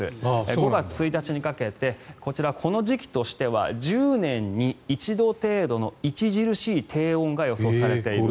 ５月１日かけてこの時期としては１０年に一度程度の著しい低温が予想されています。